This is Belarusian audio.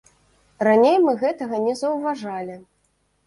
Раней мы гэтага не заўважалі.